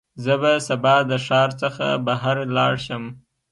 زه به سبا د ښار څخه بهر لاړ شم.